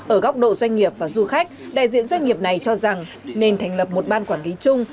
ở góc độ doanh nghiệp và du khách đại diện doanh nghiệp này cho rằng nên thành lập một ban quản lý chung